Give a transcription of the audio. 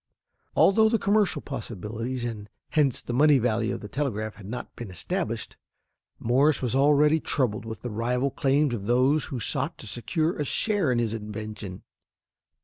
Although the commercial possibilities, and hence the money value of the telegraph had not been established, Morse was already troubled with the rival claims of those who sought to secure a share in his invention.